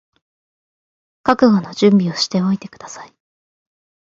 覚悟の準備をしておいてください